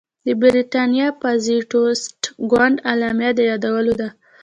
د برټانیې پازیټویسټ ګوند اعلامیه د یادولو ده.